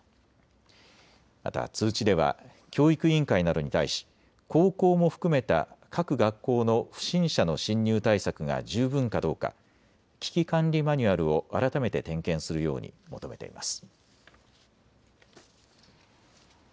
また通知では教育委員会などに対し高校も含めた各学校の不審者の侵入対策が十分かどうか危機管理マニュアルを改めて点検するように求めています。